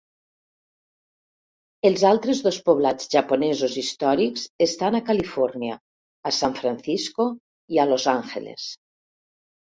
Els altres dos poblats japonesos històrics estan a Califòrnia, a San Francisco i a Los Angeles.